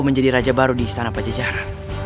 menjadi raja baru di istana pajajaran